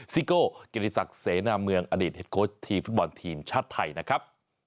ซิโก้กิติศักดิ์เสนาเมืองอดีตเห็ดโค้ชทีมฟุตบอลทีมชาติไทยนะครับ